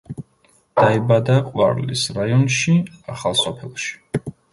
დაიბადა ყვარლის რაიონში, ახალსოფელში.